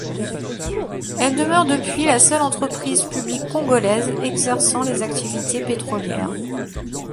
Elle demeure depuis la seule entreprise publique congolaise exerçant les activités pétrolières.